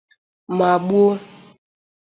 ma gbuo